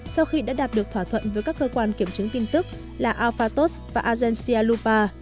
sau khi đã đạt được thỏa thuận với các cơ quan kiểm chứng tin tức là alphatos và agencia lupa